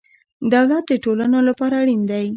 دولت د ټولنو لپاره اړین دی.